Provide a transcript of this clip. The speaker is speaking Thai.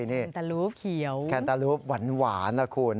แนนตาลูปเขียวแคนตารูปหวานล่ะคุณ